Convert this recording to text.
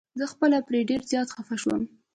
زه خپله پرې ډير زيات خفه شوم.